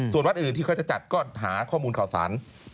ส่วนวัดอื่นที่เขาจะจัดก็หาข้อมูลข่าวสาร